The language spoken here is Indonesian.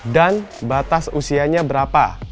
dan batas usianya berapa